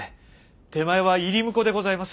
手前は入り婿でございます。